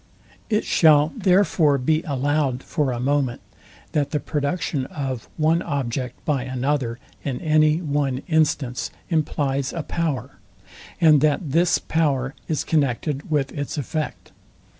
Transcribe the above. It shall therefore be allowed for a moment, that the production of one object by another in any one instance implies a power; and that this power is connected with its effect.